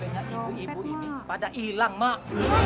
banyaknya ibu ibu ini pada hilang mak